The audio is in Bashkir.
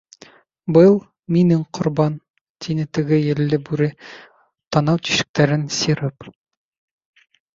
— Был — минең ҡорбан, — тине теге елле бүре, танау тишектәрен сирып.